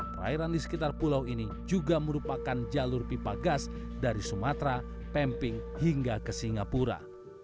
perairan di sekitar pulau ini juga merupakan jalur pipa gas dari sumatera pemping hingga ke singapura